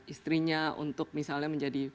istrinya untuk misalnya menjadi